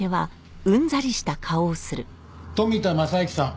富田正之さん